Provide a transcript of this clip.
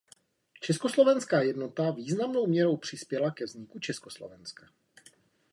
Československá jednota významnou měrou přispěla ke vzniku Československa.